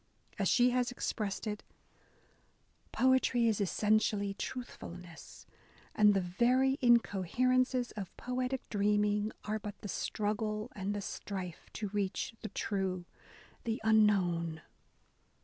As she has expressed it, Poetry is essentially truthfulness, and the very incoherences of poetic dreaming are but the struggle and the strife to reach the true — the unknown."